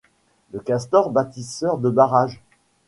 Le castor bâtisseur de barrages